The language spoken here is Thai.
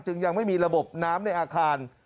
ยังไม่มีระบบน้ำในอาคาร